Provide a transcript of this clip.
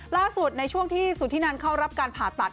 ล่าสุดในช่วงที่สุธินันเข้ารับการผ่าตัด